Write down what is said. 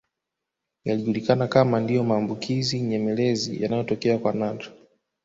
Yalijulikana kama ndio maambukizi nyemelezi yanayotokea kwa nadra